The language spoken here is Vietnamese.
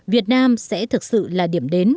việt nam sẽ thực sự là điểm đến